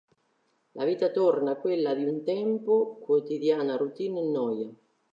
La vita torna quella di un tempo, quotidiana routine e noia.